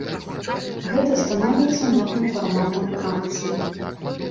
Гэта становіцца новым фарматам акцыі.